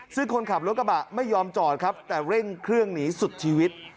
ซึ่งคนขับรถกระบะไม่ยอมจอดครับแต่เร่งเครื่องหนีสุดชีวิต